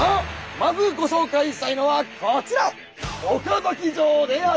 まずご紹介したいのはこちら岡崎城である。